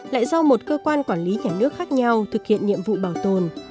lại do một cơ quan quản lý nhà nước khác nhau thực hiện nhiệm vụ bảo tồn